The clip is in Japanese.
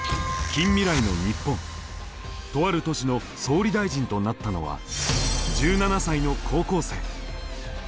とある都市の総理大臣となったのは１７才の高校生。